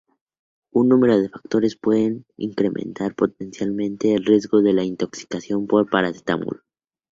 Un número de factores pueden incrementar potencialmente el riesgo de la intoxicación por paracetamol.